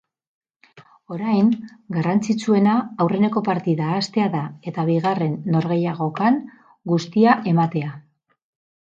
Orain, garrantzitsuena aurreneko partida ahaztea da, eta bigarren norgehiagokan guztia ematea.